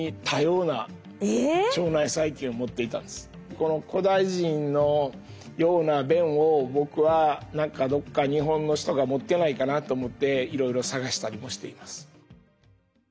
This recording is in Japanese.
この古代人のような便を僕は何かどこか日本の人が持ってないかなと思っていろいろ探したりもしています。